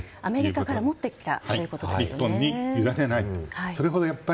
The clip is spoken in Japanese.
アメリカから持ってきたということですね。